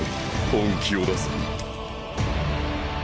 本気を出せ。